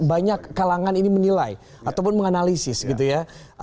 banyak kalangan ini menilai ataupun menganalisis gitu ya